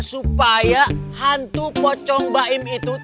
supaya hantu pocong baim itu